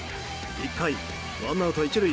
１回、ワンアウト１塁。